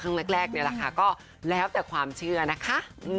ครั้งแรกนี่แหละค่ะก็แล้วแต่ความเชื่อนะคะ